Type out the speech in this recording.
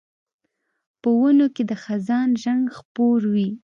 په ونو کې د خزان رنګ خپور وي